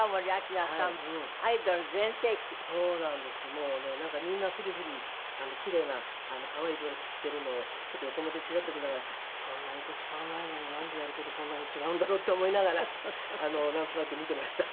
もうねなんかみんなフリフリキレイな可愛いドレス着てるのをちょっと横目でチラッと見ながらそんなに年変わらないのになんでやる事こんなに違うんだろうって思いながらなんとなく見てました。